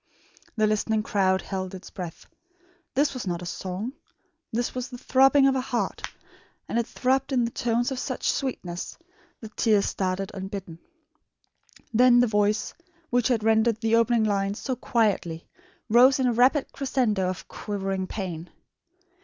The listening crowd held its breath. This was not a song. This was the throbbing of a heart; and it throbbed in tones of such sweetness, that tears started unbidden. Then the voice, which had rendered the opening lines so quietly, rose in a rapid crescendo of quivering pain.